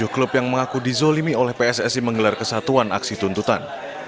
tujuh klub yang mengaku dizolimi oleh pssi menggelar kesatuan aksi tuntutan